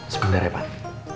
sebentar ya pak